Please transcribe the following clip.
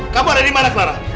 kamu ada di mana clara